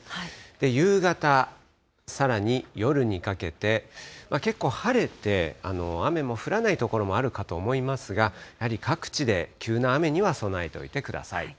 夕方、さらに夜にかけて、結構晴れて、雨も降らない所もあるかと思いますが、やはり各地で急な雨には備えておいてください。